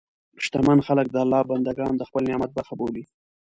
شتمن خلک د الله بندهګان د خپل نعمت برخه بولي.